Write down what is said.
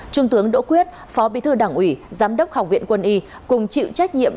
trung tướng đỗ quyết phó bí thư đảng ủy giám đốc học viện quân y cùng chịu trách nhiệm